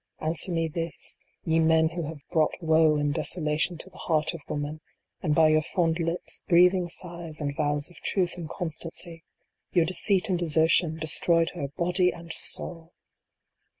Answer me this, ye men who have brought woe and desolation to the heart of woman ; and, by your fond lips ; breathing sighs, and vows of truth and constancy your deceit and desertion, destroyed her, body and soul